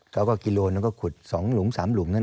เขาก็กิโลนก็ขุดสองหลุงสามหลุงนั่นเอง